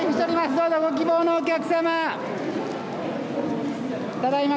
どうぞご希望のお客さま。